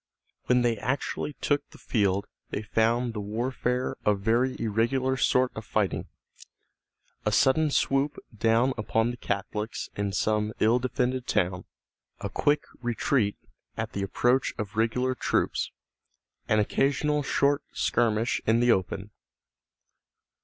When they actually took the field they found the warfare a very irregular sort of fighting, a sudden swoop down upon the Catholics in some ill defended town, a quick retreat at the approach of regular troops, an occasional short skirmish in the open.